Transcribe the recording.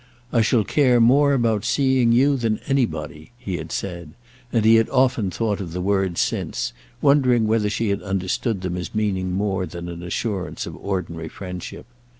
"I shall care more about seeing you than anybody," he had said; and he had often thought of the words since, wondering whether she had understood them as meaning more than an assurance of ordinary friendship.